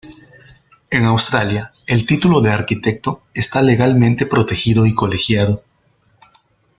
En Australia, el título de arquitecto está legalmente protegido y colegiado.